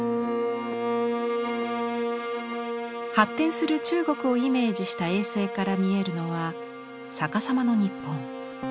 発展する中国をイメージした衛星から見えるのは逆さまの日本。